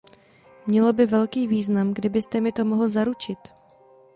Mělo by velký význam, kdybyste mi to mohl zaručit.